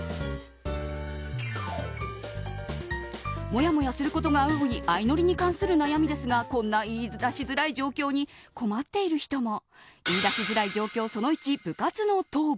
もやもやすることが多い相乗りに関する悩みですがこんな言い出しづらい状況に困っている人も。